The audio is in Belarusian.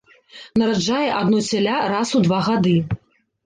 Нараджае адно цяля раз у два гады.